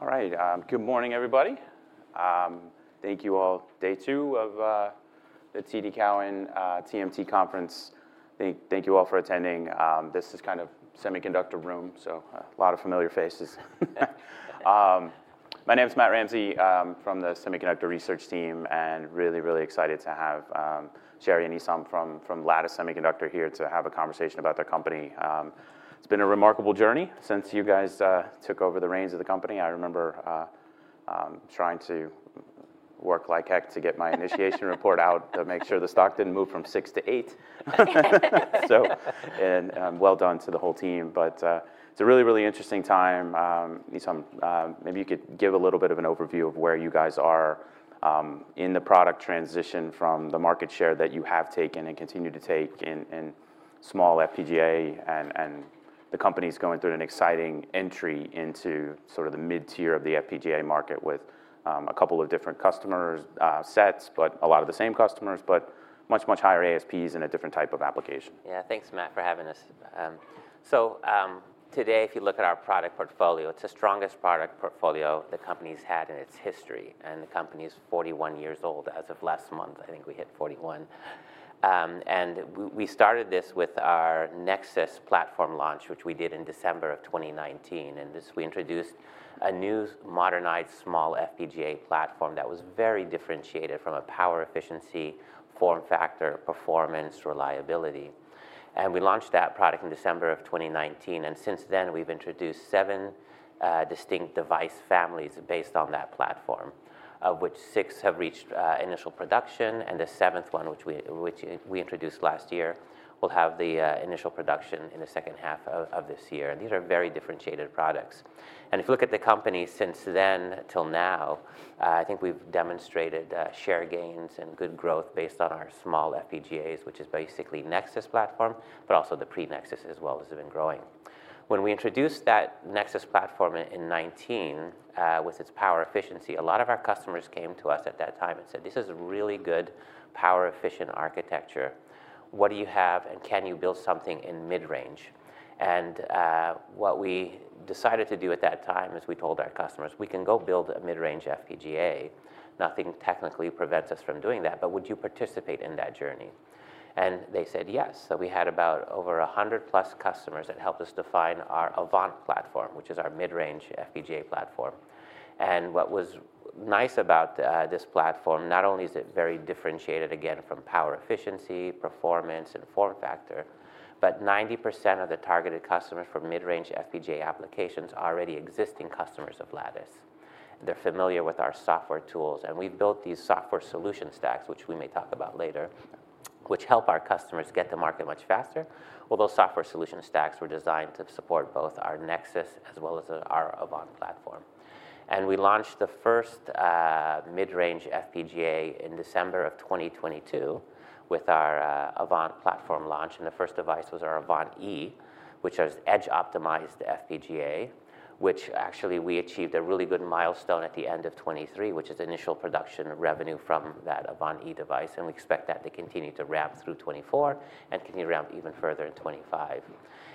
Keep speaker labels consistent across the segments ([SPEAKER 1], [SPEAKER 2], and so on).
[SPEAKER 1] All right, good morning, everybody. Thank you all. Day two of the TD Cowen TMT Conference. Thank you all for attending. This is kind of the semiconductor room, so a lot of familiar faces. My name is Matt Ramsay from the Semiconductor Research team, and really, really excited to have Sherri and Esam from Lattice Semiconductor here to have a conversation about their company. It's been a remarkable journey since you guys took over the reins of the company. I remember trying to work like heck to get my initiation report out to make sure the stock didn't move from $6-$8. Well done to the whole team. But it's a really, really interesting time. Esam, maybe you could give a little bit of an overview of where you guys are in the product transition from the market share that you have taken and continue to take in small FPGA. And the company's going through an exciting entry into sort of the mid-tier of the FPGA market with a couple of different customer sets, but a lot of the same customers, but much, much higher ASPs and a different type of application.
[SPEAKER 2] Yeah. Thanks, Matt, for having us. So, today, if you look at our product portfolio, it's the strongest product portfolio the company's had in its history, and the company is 41 years old. As of last month, I think we hit 41. And we started this with our Nexus platform launch, which we did in December of 2019, and this we introduced a new modernized small FPGA platform that was very differentiated from a power efficiency, form factor, performance, reliability. And we launched that product in December of 2019, and since then, we've introduced 7 distinct device families based on that platform, of which six have reached initial production, and the seventh one, which we introduced last year, will have the initial production in the second half of this year, and these are very differentiated products. If you look at the company since then until now, I think we've demonstrated share gains and good growth based on our small FPGAs, which is basically Nexus platform, but also the pre-Nexus as well has been growing. When we introduced that Nexus platform in 2019, with its power efficiency, a lot of our customers came to us at that time and said: "This is a really good power-efficient architecture. What do you have, and can you build something in mid-range?" And what we decided to do at that time is we told our customers, "We can go build a mid-range FPGA. Nothing technically prevents us from doing that, but would you participate in that journey?" And they said yes. So we had about over 100+ customers that helped us define our Avant platform, which is our mid-range FPGA platform. What was nice about this platform, not only is it very differentiated, again, from power efficiency, performance, and form factor, but 90% of the targeted customers for mid-range FPGA applications are already existing customers of Lattice. They're familiar with our software tools, and we've built these software solution stacks, which we may talk about later, which help our customers get to market much faster. Well, those software solution stacks were designed to support both our Nexus as well as our Avant platform. We launched the first mid-range FPGA in December of 2022 with our Avant platform launch, and the first device was our Avant E, which is edge-optimized FPGA, which actually we achieved a really good milestone at the end of 2023, which is initial production of revenue from that Avant E device, and we expect that to continue to ramp through 2024 and continue to ramp even further in 2025.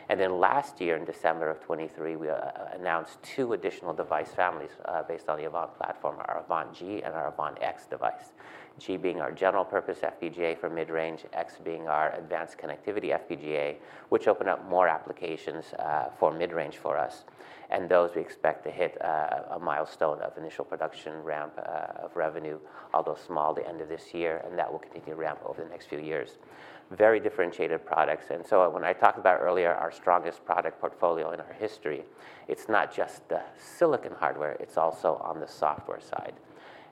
[SPEAKER 2] And then last year, in December of 2023, we announced two additional device families based on the Avant platform, our Avant G and our Avant X device. G being our general purpose FPGA for mid-range, X being our advanced connectivity FPGA, which opened up more applications for mid-range for us. And those we expect to hit a milestone of initial production ramp of revenue, although small, at the end of this year, and that will continue to ramp over the next few years. Very differentiated products. And so when I talked about earlier, our strongest product portfolio in our history, it's not just the silicon hardware, it's also on the software side.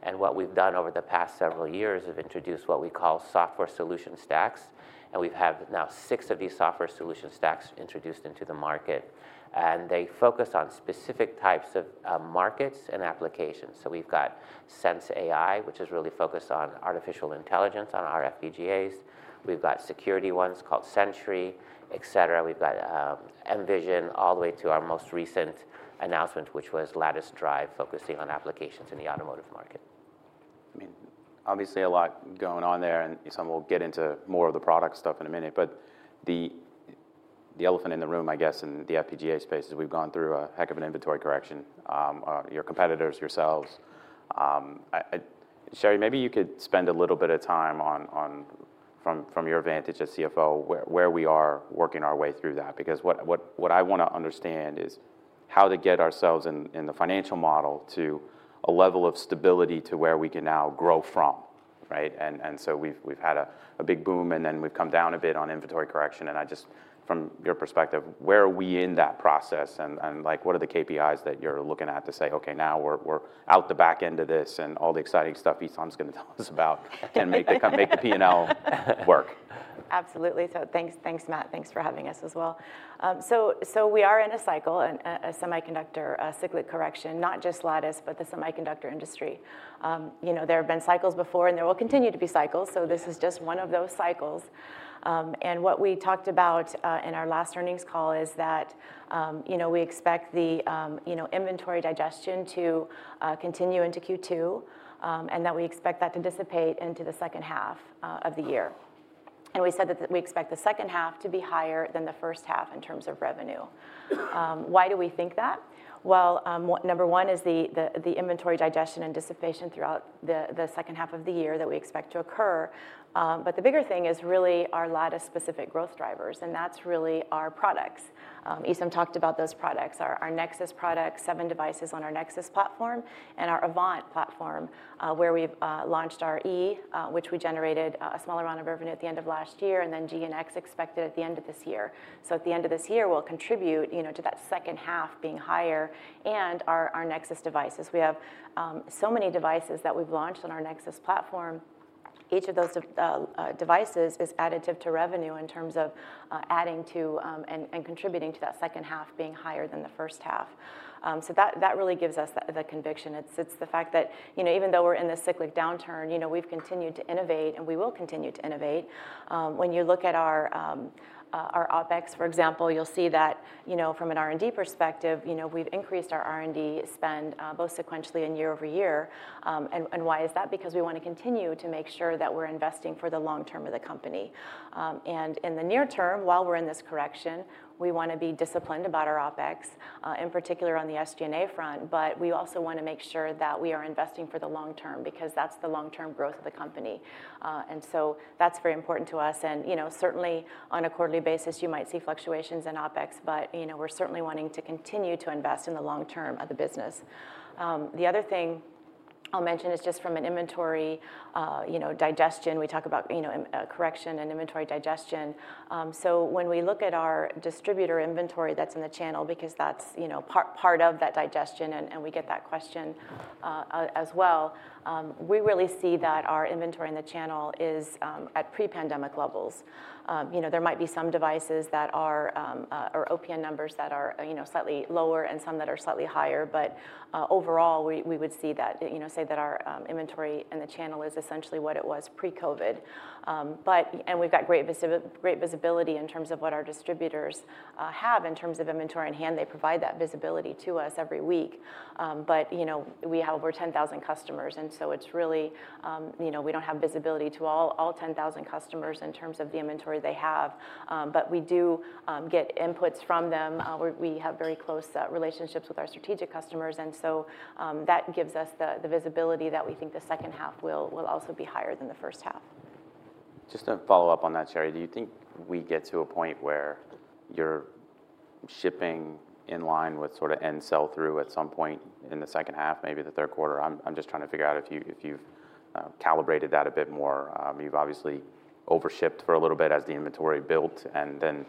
[SPEAKER 2] And what we've done over the past several years is introduced what we call software solution stacks, and we've had now six of these software solution stacks introduced into the market. And they focus on specific types of markets and applications. So we've got sensAI, which is really focused on artificial intelligence on our FPGAs. We've got security ones called Sentry, et cetera. We've got mVision, all the way to our most recent announcement, which was Lattice Drive, focusing on applications in the automotive market. I mean, obviously a lot going on there, and some we'll get into more of the product stuff in a minute, but the elephant in the room, I guess, in the FPGA space is we've gone through a heck of an inventory correction, your competitors, yourselves. Sherri, maybe you could spend a little bit of time on from your vantage as CFO, where we are working our way through that, because what I wanna understand is how to get ourselves in the financial model to a level of stability to where we can now grow from, right? And so we've had a big boom, and then we've come down a bit on inventory correction, and I just, from your perspective, where are we in that process, and like, what are the KPIs that you're looking at to say, "Okay, now we're out the back end of this," and all the exciting stuff Esam's gonna tell us about can make the P&L work.
[SPEAKER 3] Absolutely. So thanks, thanks, Matt. Thanks for having us as well. So we are in a cycle and a semiconductor cyclical correction, not just Lattice, but the semiconductor industry. You know, there have been cycles before, and there will continue to be cycles, so this is just one of those cycles. And what we talked about in our last earnings call is that, you know, we expect the inventory digestion to continue into Q2, and that we expect that to dissipate into the second half of the year. And we said that we expect the second half to be higher than the first half in terms of revenue. Why do we think that? Well, what number one is the inventory digestion and dissipation throughout the second half of the year that we expect to occur. But the bigger thing is really our Lattice-specific growth drivers, and that's really our products. Esam talked about those products, our Nexus products, seven devices on our Nexus platform, and our Avant platform, where we've launched our E, which we generated a smaller amount of revenue at the end of last year, and then G and X expected at the end of this year. So at the end of this year, we'll contribute, you know, to that second half being higher, and our Nexus devices. We have so many devices that we've launched on our Nexus platform. Each of those devices is additive to revenue in terms of, adding to, and, and contributing to that second half being higher than the first half. So that, that really gives us the, the conviction. It's, it's the fact that, you know, even though we're in this cyclic downturn, you know, we've continued to innovate, and we will continue to innovate. When you look at our our OpEx, for example, you'll see that, you know, from an R&D perspective, you know, we've increased our R&D spend both sequentially and year over year. And, and why is that? Because we wanna continue to make sure that we're investing for the long term of the company. And in the near term, while we're in this correction, we wanna be disciplined about our OpEx, in particular on the SG&A front, but we also wanna make sure that we are investing for the long term because that's the long-term growth of the company. And so that's very important to us. And, you know, certainly on a quarterly basis, you might see fluctuations in OpEx, but, you know, we're certainly wanting to continue to invest in the long term of the business. The other thing I'll mention is just from an inventory, you know, digestion, we talk about, you know, correction and inventory digestion. So when we look at our distributor inventory that's in the channel because that's, you know, part of that digestion and we get that question, as well, we really see that our inventory in the channel is at pre-pandemic levels. You know, there might be some devices that are or OPN numbers that are, you know, slightly lower and some that are slightly higher, but overall, we would see that, you know, say that our inventory in the channel is essentially what it was pre-COVID. But and we've got great visibility in terms of what our distributors have in terms of inventory on hand. They provide that visibility to us every week. But you know, we have over 10,000 customers, and so it's really you know, we don't have visibility to all 10,000 customers in terms of the inventory they have. But we do get inputs from them. We have very close relationships with our strategic customers, and so that gives us the visibility that we think the second half will also be higher than the first half.
[SPEAKER 1] Just to follow up on that, Sherri, do you think we get to a point where you're shipping in line with sort of end sell-through at some point in the second half, maybe the Q3? I'm just trying to figure out if you've calibrated that a bit more. You've obviously overshipped for a little bit as the inventory built, and then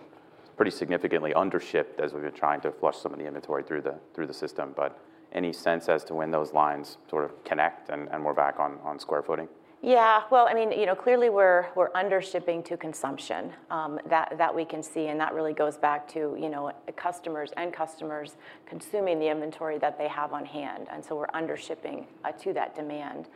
[SPEAKER 1] pretty significantly undershipped as we've been trying to flush some of the inventory through the system. But any sense as to when those lines sort of connect and we're back on square footing?
[SPEAKER 3] Yeah. Well, I mean, you know, clearly we're, we're undershipping to consumption, that, that we can see, and that really goes back to, you know, customers and customers consuming the inventory that they have on hand, and so we're undershipping, to that demand.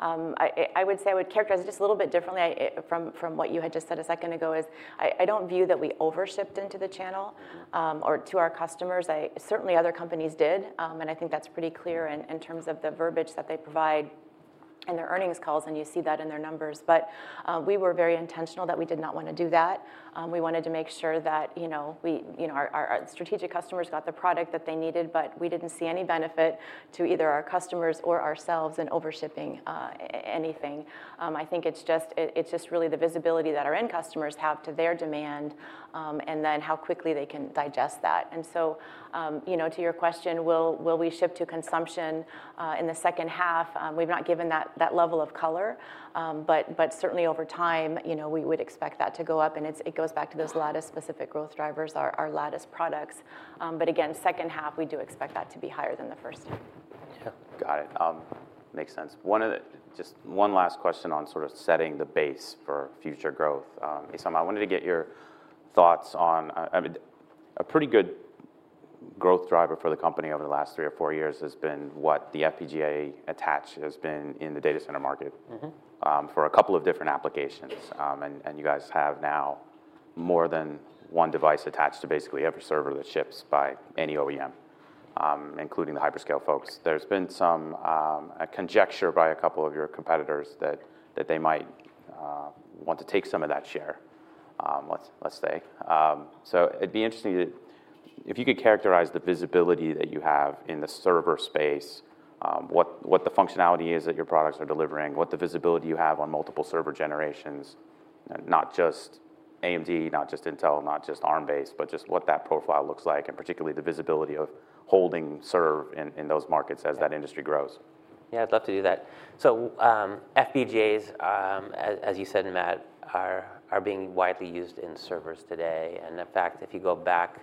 [SPEAKER 3] I, I would say I would characterize it just a little bit differently, from, from what you had just said a second ago is, I, I don't view that we overshipped into the channel-
[SPEAKER 1] Mm-hmm...
[SPEAKER 3] or to our customers. I certainly other companies did, and I think that's pretty clear in terms of the verbiage that they provide in their earnings calls, and you see that in their numbers. But, we were very intentional that we did not wanna do that. We wanted to make sure that, you know, we, you know, our strategic customers got the product that they needed, but we didn't see any benefit to either our customers or ourselves in overshipping anything. I think it's just really the visibility that our end customers have to their demand, and then how quickly they can digest that. And so, you know, to your question, will we ship to consumption in the second half? We've not given that level of color, but certainly over time, you know, we would expect that to go up, and it goes back to those Lattice-specific growth drivers, our Lattice products. But again, second half, we do expect that to be higher than the first half.
[SPEAKER 2] Yeah, got it. Makes sense. Just one last question on sort of setting the base for future growth. Esam, I wanted to get your thoughts on, I mean, a pretty good growth driver for the company over the last three or four years has been what the FPGA attach has been in the data center market. Mm-hmm... for a couple of different applications. And you guys have now more than one device attached to basically every server that ships by any OEM, including the hyperscale folks. There's been some a conjecture by a couple of your competitors that they might want to take some of that share, let's say. So it'd be interesting to if you could characterize the visibility that you have in the server space, what the functionality is that your products are delivering, what the visibility you have on multiple server generations, not just AMD, not just Intel, not just Arm-based, but just what that profile looks like, and particularly the visibility of holding serve in those markets as that industry grows. Yeah, I'd love to do that. So, FPGAs, as you said, Matt, are being widely used in servers today, and in fact, if you go back... ...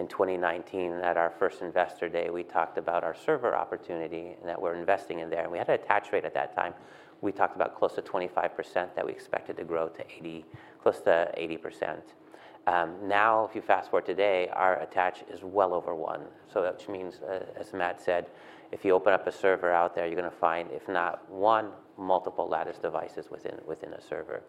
[SPEAKER 2] in 2019, at our first Investor Day, we talked about our server opportunity, and that we're investing in there, and we had an attach rate at that time. We talked about close to 25% that we expected to grow to 80%- close to 80%. Now, if you fast forward today, our attach is well over 1. So which means, as Matt said, if you open up a server out there, you're gonna find, if not one, multiple Lattice devices within, within a server.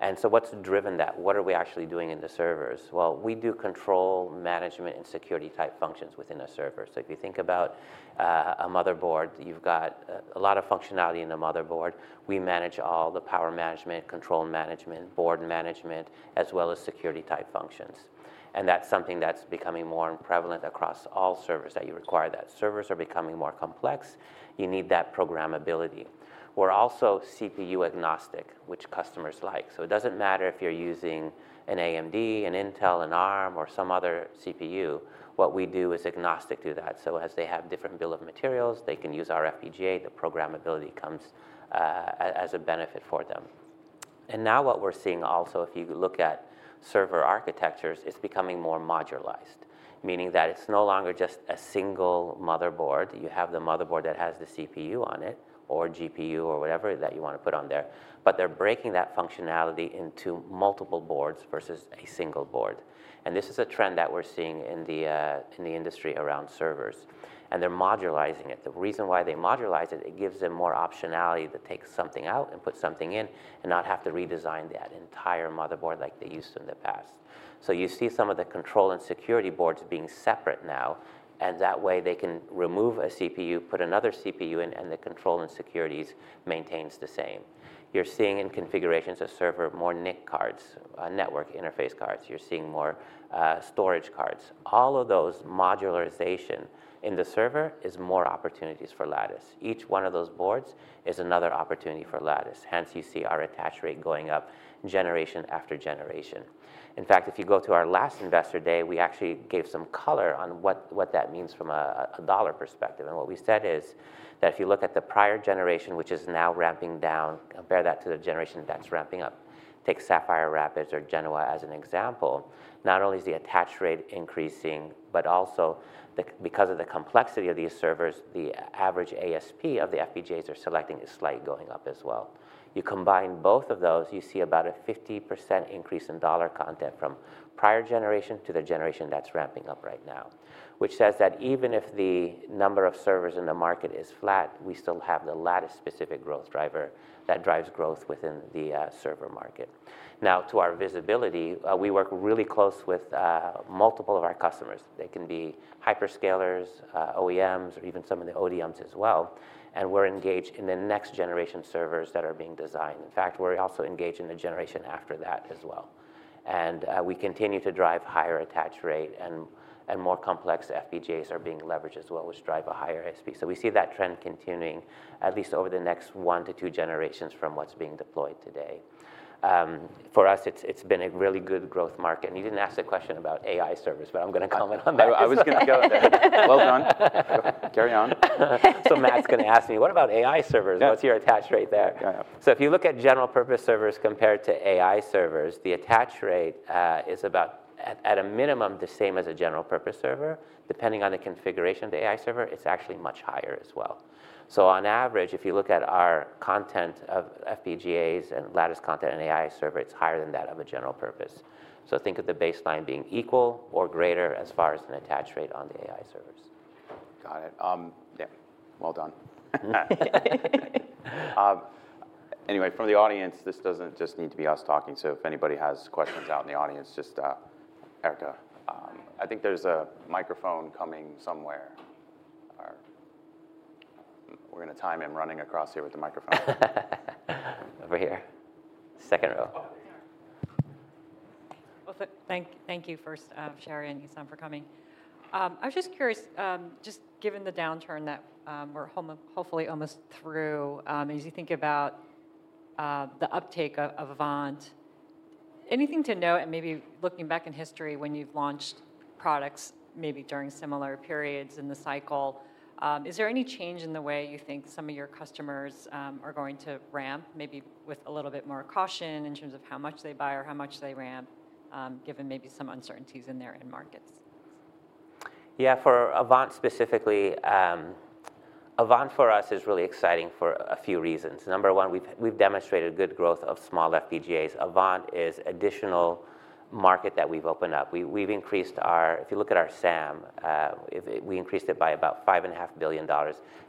[SPEAKER 2] And so what's driven that? What are we actually doing in the servers? Well, we do control, management, and security-type functions within a server. So if you think about, a motherboard, you've got, a lot of functionality in a motherboard. We manage all the power management, control management, board management, as well as security-type functions, and that's something that's becoming more and prevalent across all servers that you require that. Servers are becoming more complex. You need that programmability. We're also CPU agnostic, which customers like. So it doesn't matter if you're using an AMD, an Intel, an Arm, or some other CPU, what we do is agnostic to that. So as they have different bill of materials, they can use our FPGA. The programmability comes as a benefit for them. And now what we're seeing also, if you look at server architectures, it's becoming more modularized, meaning that it's no longer just a single motherboard. You have the motherboard that has the CPU on it, or GPU, or whatever that you want to put on there, but they're breaking that functionality into multiple boards versus a single board, and this is a trend that we're seeing in the, in the industry around servers, and they're modularizing it. The reason why they modularize it, it gives them more optionality to take something out and put something in and not have to redesign that entire motherboard like they used to in the past. So you see some of the control and security boards being separate now, and that way, they can remove a CPU, put another CPU in, and the control and security maintains the same. You're seeing in configurations a server, more NIC cards, network interface cards. You're seeing more, storage cards. All of those modularization in the server is more opportunities for Lattice. Each one of those boards is another opportunity for Lattice, hence you see our attach rate going up generation after generation. In fact, if you go to our last Investor Day, we actually gave some color on what, what that means from a, a dollar perspective, and what we said is that if you look at the prior generation, which is now ramping down, compare that to the generation that's ramping up. Take Sapphire Rapids or Genoa as an example. Not only is the attach rate increasing, but also the- because of the complexity of these servers, the a- average ASP of the FPGAs are selecting is slightly going up as well. You combine both of those, you see about a 50% increase in dollar content from prior generation to the generation that's ramping up right now, which says that even if the number of servers in the market is flat, we still have the Lattice-specific growth driver that drives growth within the server market. Now, to our visibility, we work really close with multiple of our customers. They can be hyperscalers, OEMs, or even some of the ODMs as well, and we're engaged in the next-generation servers that are being designed. In fact, we're also engaged in the generation after that as well, and we continue to drive higher attach rate and more complex FPGAs are being leveraged as well, which drive a higher ASP. So we see that trend continuing at least over the next 1-2 generations from what's being deployed today. For us, it's been a really good growth market, and you didn't ask the question about AI servers, but I'm gonna comment on that.
[SPEAKER 1] I, I was gonna go there. Well done. Carry on.
[SPEAKER 2] So Matt's gonna ask me, "What about AI servers?"-
[SPEAKER 1] Yeah.
[SPEAKER 2] What's your attach rate there?
[SPEAKER 1] Yeah.
[SPEAKER 2] So if you look at general purpose servers compared to AI servers, the attach rate is about at, at a minimum, the same as a general purpose server. Depending on the configuration of the AI server, it's actually much higher as well. So on average, if you look at our content of FPGAs and Lattice content and AI server, it's higher than that of a general purpose. So think of the baseline being equal or greater as far as an attach rate on the AI servers.
[SPEAKER 1] Got it. Yeah, well done. Anyway, from the audience, this doesn't just need to be us talking, so if anybody has questions out in the audience, just, Erica, I think there's a microphone coming somewhere. We're gonna time him running across here with the microphone.
[SPEAKER 2] Over here. Second row. Well, thank you, first, Sherry and Esam, for coming. I was just curious, just given the downturn that we're hopefully almost through, as you think about the uptake of Avant, anything to note, and maybe looking back in history when you've launched products, maybe during similar periods in the cycle, is there any change in the way you think some of your customers are going to ramp, maybe with a little bit more caution in terms of how much they buy or how much they ramp, given maybe some uncertainties in their end markets? Yeah, for Avant specifically, Avant for us is really exciting for a few reasons. Number one, we've demonstrated good growth of small FPGAs. Avant is additional market that we've opened up. We've increased our SAM by about $5.5 billion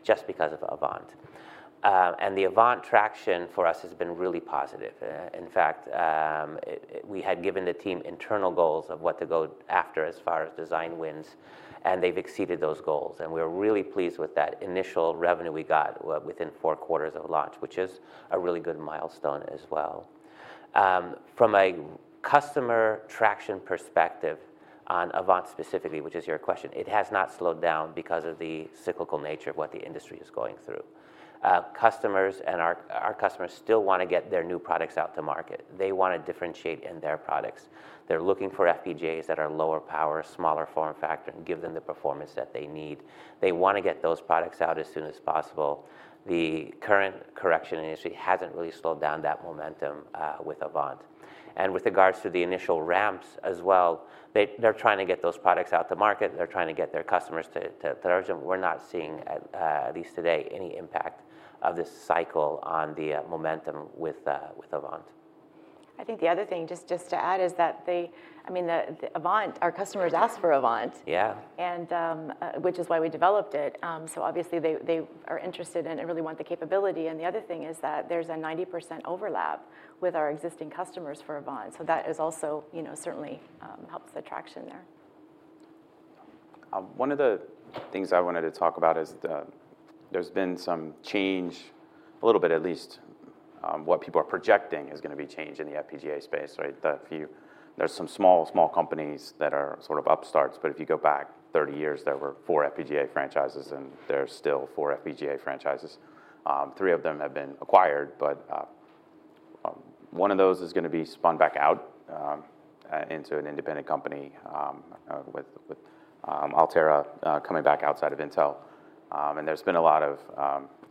[SPEAKER 2] just because of Avant. And the Avant traction for us has been really positive. In fact, we had given the team internal goals of what to go after as far as design wins, and they've exceeded those goals, and we're really pleased with that initial revenue we got within Q4 of launch, which is a really good milestone as well. From a customer traction perspective on Avant specifically, which is your question, it has not slowed down because of the cyclical nature of what the industry is going through. Customers and our customers still want to get their new products out to market. They want to differentiate in their products. They're looking for FPGAs that are lower power, smaller form factor, and give them the performance that they need. They want to get those products out as soon as possible. The current correction in the industry hasn't really slowed down that momentum with Avant, and with regards to the initial ramps as well, they're trying to get those products out to market. They're trying to get their customers to urge them. We're not seeing, at least today, any impact of this cycle on the momentum with Avant.
[SPEAKER 3] I think the other thing, just to add, is that I mean, the Avant, our customers asked for Avant.
[SPEAKER 2] Yeah.
[SPEAKER 3] which is why we developed it. So obviously they are interested in and really want the capability, and the other thing is that there's a 90% overlap with our existing customers for Avant, so that is also, you know, certainly helps the traction there.
[SPEAKER 1] One of the things I wanted to talk about is there's been some change, a little bit, at least, what people are projecting is going to be change in the FPGA space, right? There's some small, small companies that are sort of upstarts, but if you go back 30 years, there were four FPGA franchises, and there are still four FPGA franchises. Three of them have been acquired, but one of those is going to be spun back out into an independent company with Altera coming back outside of Intel. And there's been a lot of,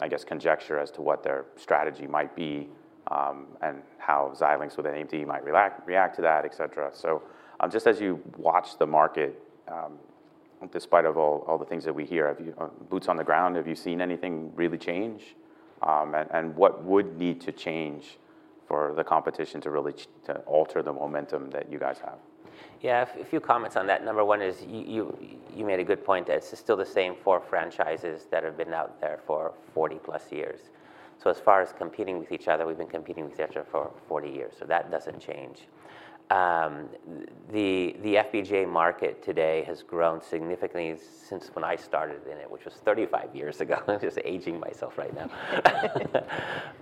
[SPEAKER 1] I guess, conjecture as to what their strategy might be, and how Xilinx with AMD might react to that, et cetera. So, just as you watch the market, despite of all, all the things that we hear, have you boots on the ground, have you seen anything really change? And what would need to change for the competition to really alter the momentum that you guys have?
[SPEAKER 2] Yeah, a few comments on that. Number 1 is you made a good point that it's still the same four franchises that have been out there for 40+ years. So as far as competing with each other, we've been competing with each other for 40 years, so that doesn't change. The FPGA market today has grown significantly since when I started in it, which was 35 years ago. I'm just aging myself right now.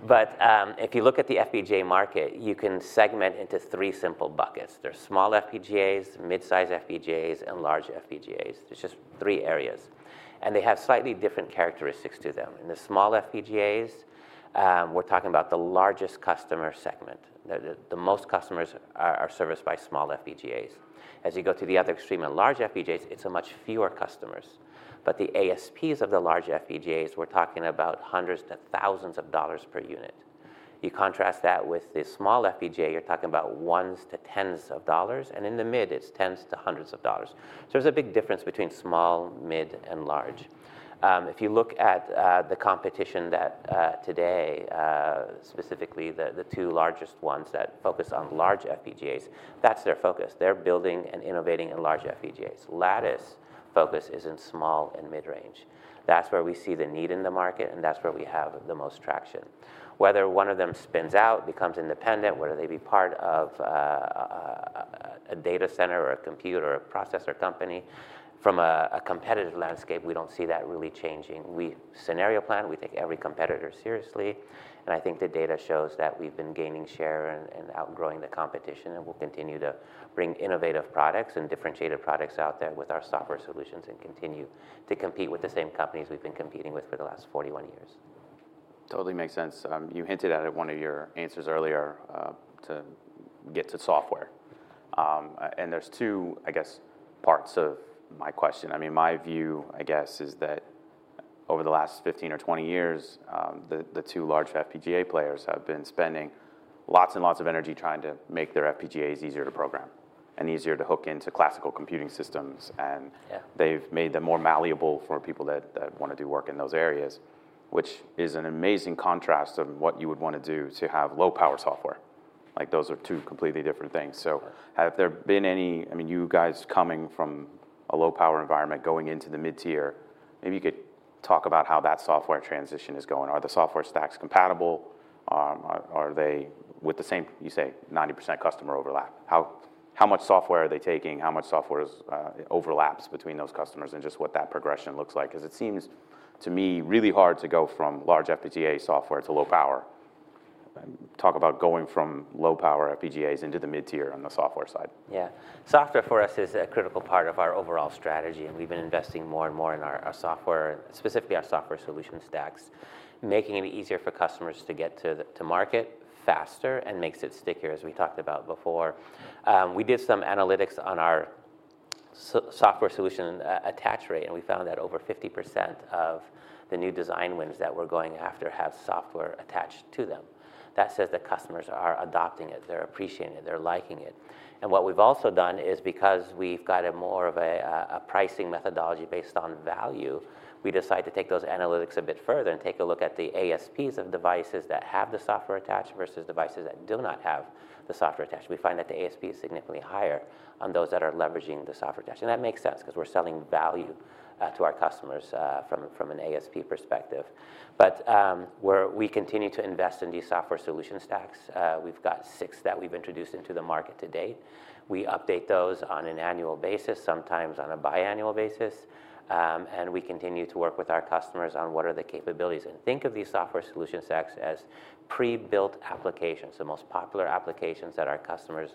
[SPEAKER 2] But if you look at the FPGA market, you can segment into 3 simple buckets. There's small FPGAs, mid-size FPGAs, and large FPGAs. There's just 3 areas, and they have slightly different characteristics to them. In the small FPGAs, we're talking about the largest customer segment. The most customers are serviced by small FPGAs. As you go to the other extreme, in large FPGAs, it's a much fewer customers, but the ASPs of the large FPGAs, we're talking about $100s-$1,000s per unit. You contrast that with the small FPGA, you're talking about $1s-$10s, and in the mid, it's $10s-$100s. So there's a big difference between small, mid, and large. If you look at the competition that today specifically the two largest ones that focus on large FPGAs, that's their focus. They're building and innovating in large FPGAs. Lattice focus is in small and mid-range. That's where we see the need in the market, and that's where we have the most traction. Whether one of them spins out, becomes independent, whether they be part of a data center or a computer or a processor company, from a competitive landscape, we don't see that really changing. We scenario plan, we take every competitor seriously, and I think the data shows that we've been gaining share and outgrowing the competition, and we'll continue to bring innovative products and differentiated products out there with our software solutions and continue to compete with the same companies we've been competing with for the last 41 years.
[SPEAKER 1] Totally makes sense. You hinted at it one of your answers earlier, to get to software. And there's two, I guess, parts of my question. I mean, my view, I guess, is that over the last 15 or 20 years, the two large FPGA players have been spending lots and lots of energy trying to make their FPGAs easier to program and easier to hook into classical computing systems, and-
[SPEAKER 2] Yeah...
[SPEAKER 1] they've made them more malleable for people that want to do work in those areas, which is an amazing contrast of what you would want to do to have low-power software. Like, those are two completely different things. So, I mean, you guys coming from a low-power environment, going into the mid-tier, maybe you could talk about how that software transition is going. Are the software stacks compatible? Are they with the same, you say, 90% customer overlap, how much software are they taking? How much software is overlaps between those customers and just what that progression looks like? Because it seems, to me, really hard to go from large FPGA software to low power. Talk about going from low-power FPGAs into the mid-tier on the software side.
[SPEAKER 2] Yeah. Software for us is a critical part of our overall strategy, and we've been investing more and more in our our software, specifically our software solution stacks, making it easier for customers to get to market faster and makes it stickier, as we talked about before. We did some analytics on our software solution attach rate, and we found that over 50% of the new design wins that we're going after have software attached to them. That says that customers are adopting it, they're appreciating it, they're liking it. And what we've also done is because we've got a more of a a pricing methodology based on value, we decided to take those analytics a bit further and take a look at the ASPs of devices that have the software attached versus devices that do not have the software attached. We find that the ASP is significantly higher on those that are leveraging the software stacks, and that makes sense because we're selling value to our customers from, from an ASP perspective. But we continue to invest in these software solution stacks. We've got six that we've introduced into the market to date. We update those on an annual basis, sometimes on a biannual basis, and we continue to work with our customers on what are the capabilities. And think of these software solution stacks as pre-built applications, the most popular applications that our customers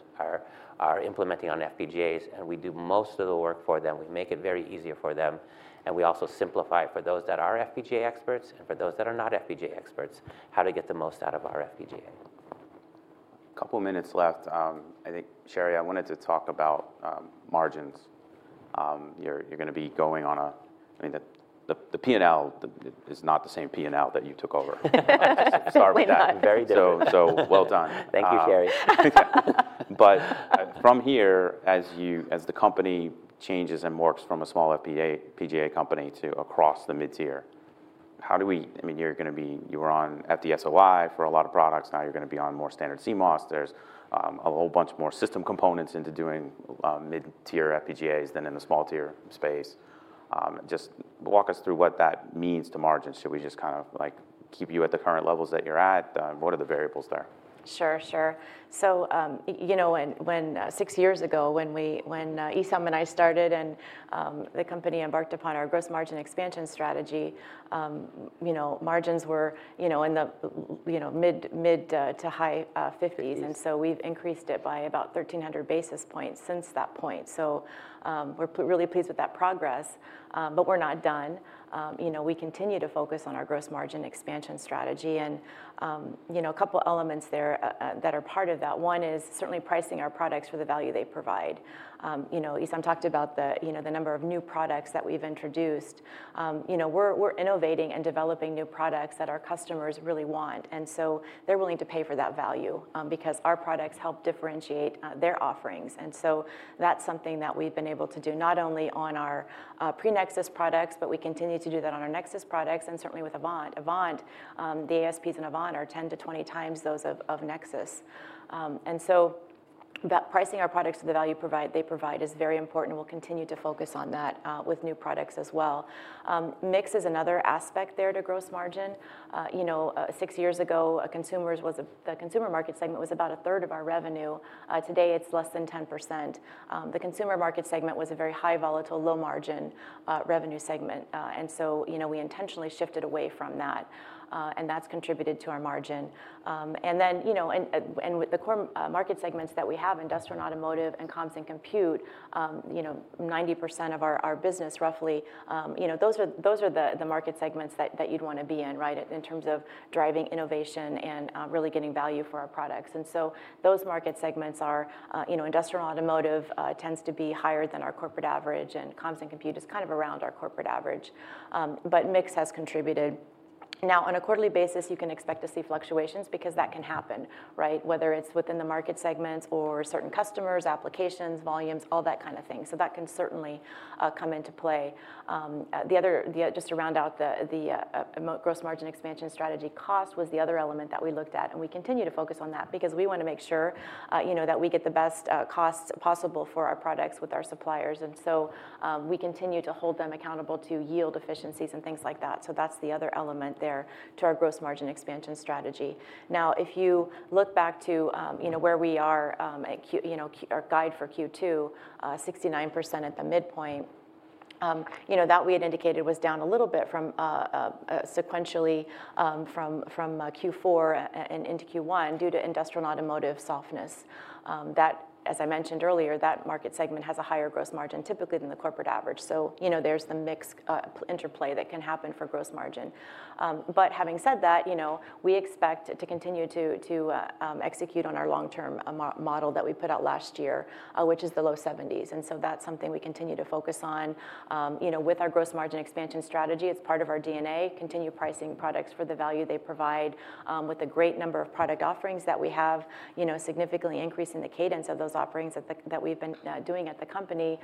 [SPEAKER 2] are implementing on FPGAs, and we do most of the work for them. We make it very easier for them, and we also simplify it for those that are FPGA experts and for those that are not FPGA experts, how to get the most out of our FPGA.
[SPEAKER 1] A couple minutes left. I think, Sherry, I wanted to talk about margins. You're gonna be going on a- I mean, the P&L is not the same P&L that you took over. Way not. Very different. So, well done. Thank you Sherri. But from here, as the company changes and morphs from a small FPGA company to across the mid-tier, how do we... I mean, you're gonna be- you were on at the SOI for a lot of products, now you're gonna be on more standard CMOS. There's a whole bunch more system components into doing mid-tier FPGAs than in the small tier space. Just walk us through what that means to margins. Should we just kind of, like, keep you at the current levels that you're at? What are the variables there?
[SPEAKER 3] Sure, sure. So, you know, when six years ago, when Esam and I started, and the company embarked upon our gross margin expansion strategy, you know, margins were, you know, in the mid- to high fifties.
[SPEAKER 1] Fifties.
[SPEAKER 3] And so we've increased it by about 1,300 basis points since that point. So, we're really pleased with that progress, but we're not done. You know, we continue to focus on our gross margin expansion strategy and, you know, a couple of elements there, that are part of that. One is certainly pricing our products for the value they provide. You know, Esam talked about the, you know, the number of new products that we've introduced. You know, we're, we're innovating and developing new products that our customers really want, and so they're willing to pay for that value, because our products help differentiate, their offerings, and so that's something that we've been able to do not only on our, pre-Nexus products, but we continue to do that on our Nexus products, and certainly with Avant. Avant, the ASPs in Avant are 10-20 times those of Nexus. And so that pricing our products to the value they provide is very important, and we'll continue to focus on that with new products as well. Mix is another aspect there to gross margin. You know, six years ago, the consumer market segment was about a third of our revenue, today it's less than 10%. The consumer market segment was a very high volatile, low margin revenue segment. And so, you know, we intentionally shifted away from that, and that's contributed to our margin. And then, you know, and with the core market segments that we have, industrial and automotive, and comms and compute, you know, 90% of our business roughly, you know, those are the market segments that you'd want to be in, right, in terms of driving innovation and really getting value for our products. And so those market segments are, you know, industrial automotive tends to be higher than our corporate average, and comms and compute is kind of around our corporate average. But mix has contributed. Now, on a quarterly basis, you can expect to see fluctuations because that can happen, right? Whether it's within the market segments or certain customers, applications, volumes, all that kind of thing, so that can certainly come into play. Just to round out the gross margin expansion strategy, cost was the other element that we looked at, and we continue to focus on that because we wanna make sure, you know, that we get the best costs possible for our products with our suppliers, and so we continue to hold them accountable to yield efficiencies and things like that. So that's the other element there to our gross margin expansion strategy. Now, if you look back to, you know, where we are at our guide for Q2, 69% at the midpoint, you know, that we had indicated was down a little bit from sequentially from Q4 and into Q1 due to industrial and automotive softness. That, as I mentioned earlier, that market segment has a higher gross margin typically than the corporate average. So, you know, there's the mixed interplay that can happen for gross margin. But having said that, you know, we expect it to continue to execute on our long-term model that we put out last year, which is the low 70s, and so that's something we continue to focus on. You know, with our gross margin expansion strategy, it's part of our DNA, continue pricing products for the value they provide, with a great number of product offerings that we have, you know, significantly increasing the cadence of those offerings that we've been doing at the company.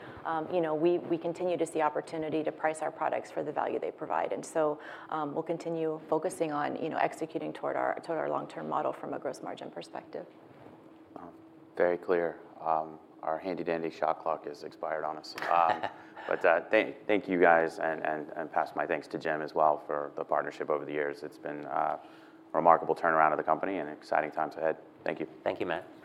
[SPEAKER 3] You know, we continue to see opportunity to price our products for the value they provide. We'll continue focusing on, you know, executing toward our long-term model from a gross margin perspective.
[SPEAKER 1] Wow! Very clear. Our handy dandy shot clock is expired on us. But thank you guys, and pass my thanks to Jim as well for the partnership over the years. It's been a remarkable turnaround of the company and exciting times ahead. Thank you.
[SPEAKER 2] Thank you, Matt.